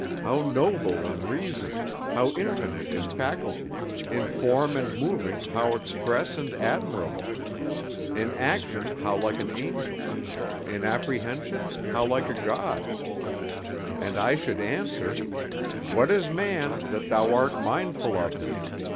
How noble in reason! how infinite in faculty! in form and moving how express and admirable! in action how like an angel! in apprehension how like a god!' "And I should answer, "'What is man, that thou art mindful of him?